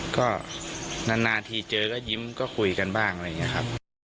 ก็นานทีเจอก็ยิ้มก็คุยกันบ้างอะไรอย่างนี้ครับ